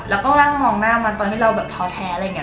แล้วก็นั่งมองหน้ามันตอนที่เราแบบท้อแท้อะไรอย่างนี้